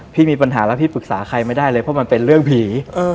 พี่มีปัญหาแล้วพี่ปรึกษาใครไม่ได้เลยเพราะมันเป็นเรื่องผี